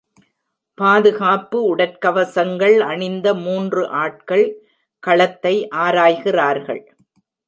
பாதுகாப்பு உடற்கவசங்கள் அணிந்த மூன்று ஆட்கள் களத்தை ஆராய்கிறார்கள்.